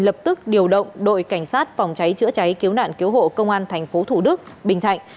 lập tức điều động đội cảnh sát phòng cháy chữa cháy cứu nạn cứu hộ công an tp thủ đức bình thạnh